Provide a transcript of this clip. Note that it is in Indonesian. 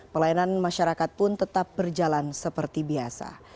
pelayanan masyarakat pun tetap berjalan seperti biasa